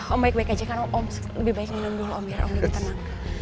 om baik baik aja karena om lebih baik minum dulu om biar omik tenang